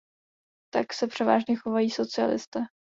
Tak se převážně chovají socialisté.